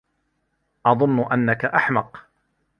أظنّ أنّك أحمق.